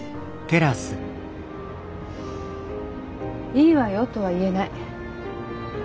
「いいわよ」とは言えない。